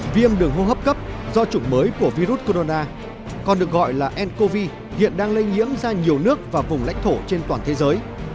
viêm đường hô hấp cấp do chủng mới của virus corona còn được gọi là ncov hiện đang lây nhiễm ra nhiều nước và vùng lãnh thổ trên toàn thế giới